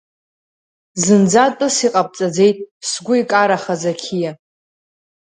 Зынӡа тәыс иҟабҵаӡеит, сгәы икарахаз ақьиа.